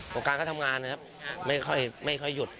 ของการก็ทำงานนะครับไม่ค่อยหยุด